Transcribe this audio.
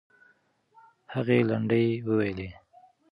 هغې لنډۍ وویلې.